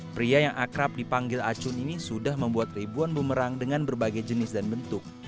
pria yang akrab dipanggil acun ini sudah membuat ribuan bumerang dengan berbagai jenis dan bentuk